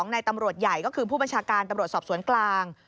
ในตำรวจใหญ่ก็คือผู้บัญชาการตำรวจสอบสวนกลาง